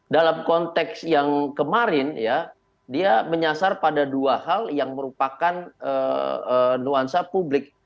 dalam konteks yang kemarin ya dia menyasar pada dua hal yang merupakan nuansa publik